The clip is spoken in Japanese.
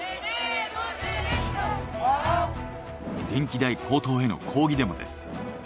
電気代高騰への抗議デモです。